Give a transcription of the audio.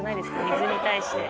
水に対して。